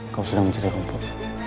kau sudah mencari rumput